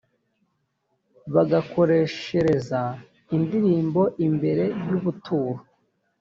bagakoreshereza indirimbo imbere y ubuturo